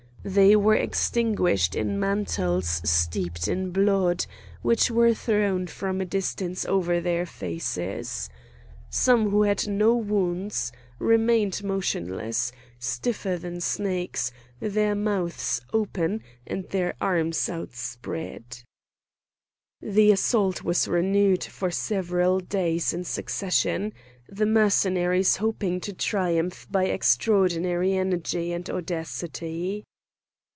They were extinguished in mantles steeped in blood, which were thrown from a distance over their faces. Some who had no wounds remained motionless, stiffer than stakes, their mouths open and their arms outspread. The assault was renewed for several days in succession, the Mercenaries hoping to triumph by extraordinary energy and audacity.